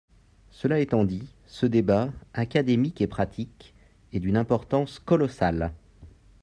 Cela étant dit, ce débat, académique et pratique, est d’une importance colossale.